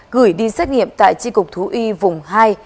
gửi đi xét nghiệm tại tri cục thú y vùng hai